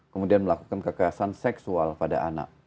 kemudian melakukan kekerasan seksual pada anak